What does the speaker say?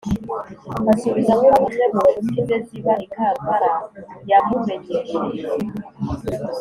ansubiza ko umwe mu nshuti ze ziba i kampala yamumenyesheje